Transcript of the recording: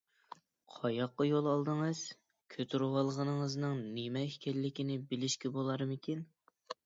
قاياققا يول ئالدىڭىز؟ كۆتۈرۈۋالغىنىڭىزنىڭ نېمە ئىكەنلىكىنى بىلىشكە بولارمىكىن؟